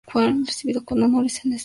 Fue recibido con honores en Esparta.